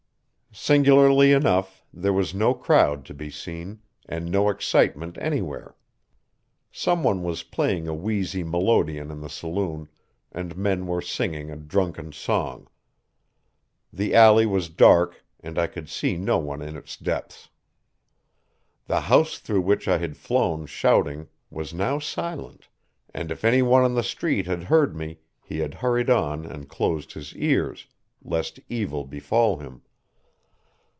Singularly enough there was no crowd to be seen, and no excitement anywhere. Some one was playing a wheezy melodeon in the saloon, and men were singing a drunken song. The alley was dark, and I could see no one in its depths. The house through which I had flown shouting was now silent, and if any one on the street had heard me he had hurried on and closed his ears, lest evil befall him.